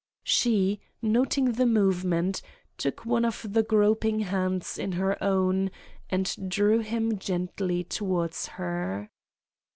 She, noting the movement, took one of the groping hands in her own and drew him gently towards her.